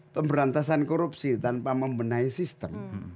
pemberantasan korupsi tanpa membenahi sistem